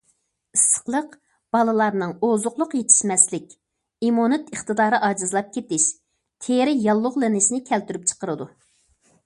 ئىسسىقلىق بالىلارنىڭ ئوزۇقلۇق يېتىشمەسلىك، ئىممۇنىتېت ئىقتىدارى ئاجىزلاپ كېتىش، تېرە ياللۇغلىنىشنى كەلتۈرۈپ چىقىرىدۇ.